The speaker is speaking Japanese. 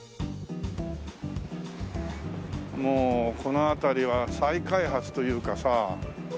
もうこの辺りは再開発というかさ。